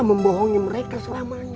membohongi mereka selamanya